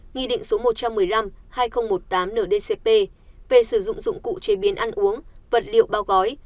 nghị định số một trăm một mươi năm hai nghìn một mươi tám ndcp về sử dụng dụng cụ chế biến ăn uống vật liệu bao gói